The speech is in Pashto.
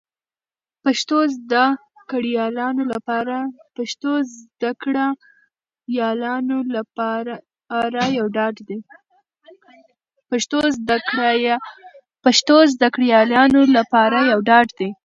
پښتو زده کړیالانو لپاره یو ډاډ دی